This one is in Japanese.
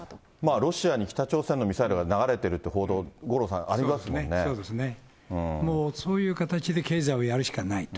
ロシアに北朝鮮のミサイルが流れてるという報道、五郎さん、そうですね、もうそういう形で経済をやるしかないと。